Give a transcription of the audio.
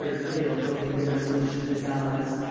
prevailed over the irresolution of his allies.